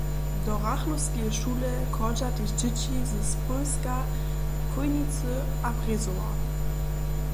Do Rachlowskeje šule chodźa tež dźěći z Splóska, Chójnicy a Brězowa.